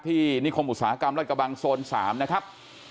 นิคมอุตสาหกรรมรัฐกระบังโซน๓นะครับ